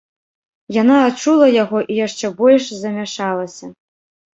Яна адчула яго і яшчэ больш замяшалася.